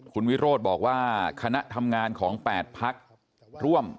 คุณวิโรธบอกว่าคณะทำงานของ๘พักร่วม